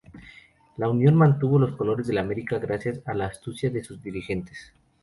La unión mantuvo los colores del America, gracias a la astucia de sus dirigentes.